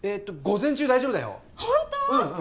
午前中大丈夫だよホント？